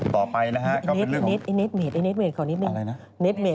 ต่อไปนะฮะก็เป็นเรื่องของนิดเมทขออนิดเมท